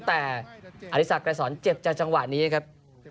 แต่อธิสักรายศรเจ็บจากจังหวะนี้นะครับ